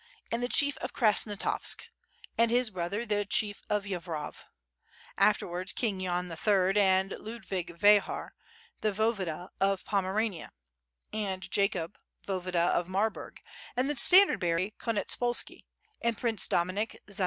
and the Chief of Krasnostavsk; and his brother, the Chief of Yavrov, afterwards King Yan III, and Ludvig Veyher, the voyevoda of Pomerania, and Jacob voyevoda of Marburg, and the standard bearer Konetspolski ; and Prince Dominik Za.